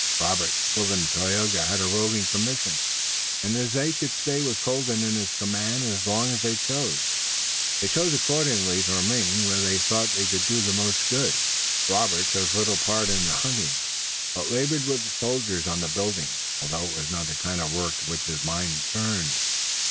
Robert, Willet and Tayoga had a roving commission, and, as they could stay with Colden and his command as long as they chose, they chose accordingly to remain where they thought they could do the most good. Robert took little part in the hunting, but labored with the soldiers on the building, although it was not the kind of work to which his mind turned.